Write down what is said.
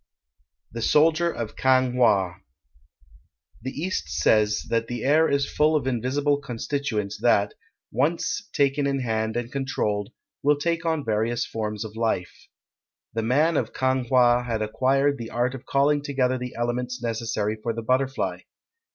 XI THE SOLDIER OF KANG WHA [The East says that the air is full of invisible constituents that, once taken in hand and controlled, will take on various forms of life. The man of Kang wha had acquired the art of calling together the elements necessary for the butterfly.